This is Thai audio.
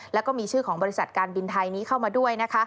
แล้วก็มีชื่อของบริษัทการบินไทยนี้เข้ามาด้วยนะคะ